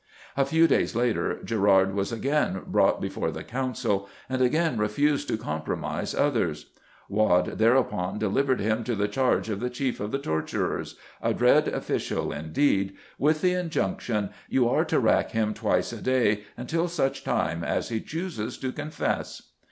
A few days later Gerard was again brought before the Council, and again refused to compromise others. Waad thereupon delivered him to the charge of the chief of the torturers a dread official indeed with the injunction, "You are to rack him twice a day until such time as he chooses to confess."